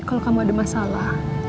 kalau kamu ada masalah